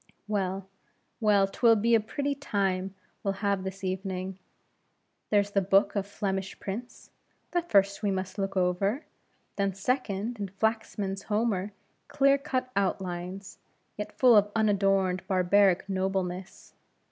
well, well; 'twill be a pretty time we'll have this evening; there's the book of Flemish prints that first we must look over; then, second, is Flaxman's Homer clear cut outlines, yet full of unadorned barbaric nobleness.